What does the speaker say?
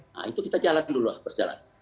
nah itu kita jalan dulu lah berjalan